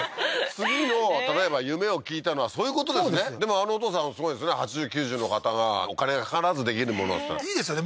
次の例えば夢を聞いたのはそういうことですねでもあのお父さんすごいですね８０９０の方がお金がかからずできるものいいですよね